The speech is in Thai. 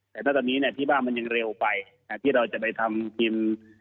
แต่ถ้าตอนนี้พี่บ้างมันยังเร็วไปที่เราจะไปทำกรีม